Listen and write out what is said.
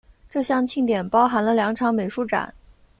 这项庆典包含了两场美术展。